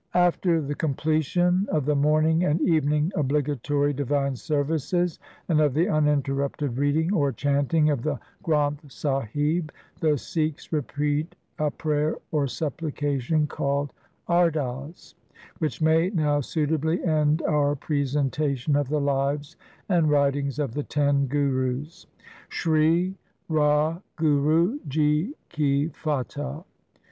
After the completion of the morning and evening obligatory divine services and of the uninterrupted reading or chanting of the Granth Sahib the Sikhs repeat a prayer or supplication called — Ardas, which may now suitably end our presentation of the Lives and Writings of the ten Gurus :— Sri Wahguru ji ki Fatah !